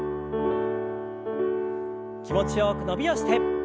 気持ちよく伸びをして。